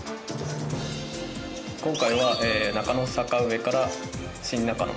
今回は中野坂上から新中野までです。